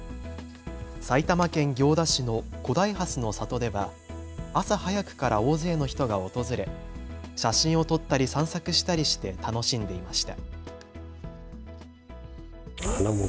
埼玉県行田市の古代蓮の里では朝早くから大勢の人が訪れ、写真を撮ったり散策したりして楽しんでいました。